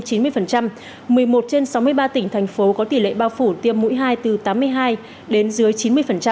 một mươi một trên sáu mươi ba tỉnh thành phố có tỷ lệ bao phủ tiêm mũi hai từ tám mươi hai đến dưới chín mươi